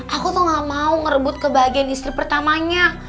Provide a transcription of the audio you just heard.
aku tuh gak mau ngerebut kebahagiaan istri pertamanya